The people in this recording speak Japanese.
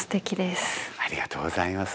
ありがとうございます。